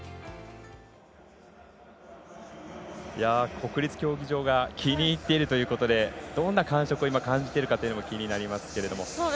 国立競技場が気に入っているということでどんな感触を感じているかも気になりますけれども。